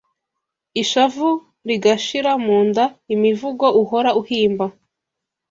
Ishavu rigashira mu nda Imivugo uhora uhimba